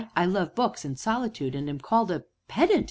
I love books and solitude, and am called a pedant!